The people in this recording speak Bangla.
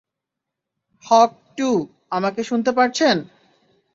হক- টু, আমাকে শুনতে পারছেন?